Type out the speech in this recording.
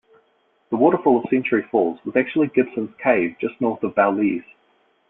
The waterfall of Century Falls was actually Gibson's Cave, just north of Bowlees.